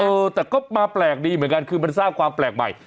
เออแต่ก็มาแปลกดีเหมือนกันคือมันสร้างความแปลกใหม่